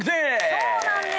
そうなんです。